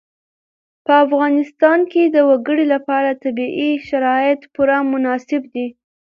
په افغانستان کې د وګړي لپاره طبیعي شرایط پوره مناسب دي.